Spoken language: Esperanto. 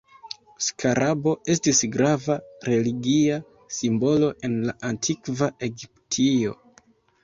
Skarabo estis grava religia simbolo en la Antikva Egiptio.